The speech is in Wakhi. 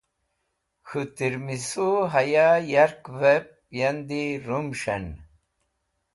K̃hũ tẽrmisu hyakvẽb andi rumũs̃hẽn